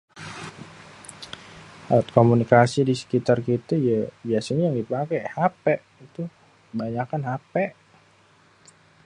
Alat komunikasi disekitar kité yé biasenyé yang dipaké ya HP tuh, kebanyakan HP